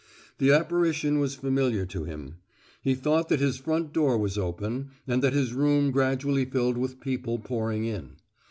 The apparition was familiar to him. He thought that his front door was open, and that his room gradually filled with people pouring in.